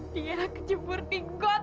dia kejemur di got